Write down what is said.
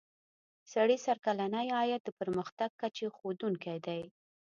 سړي سر کلنی عاید د پرمختګ کچې ښودونکی دی.